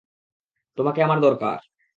তোমাকে আমার দরকার!